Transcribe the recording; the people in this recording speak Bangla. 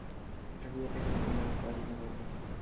থাকিয়া থাকিয়া বলে, আর পারি না বাবা!